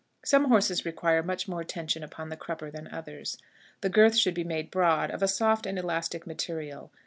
Some horses require much more tension upon the crupper than others. The girth should be made broad, of a soft and elastic material.